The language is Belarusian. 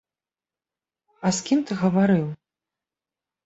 А з кім ты гаварыў?